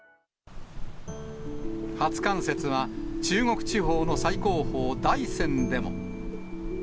初冠雪は、中国地方の最高峰、大山でも。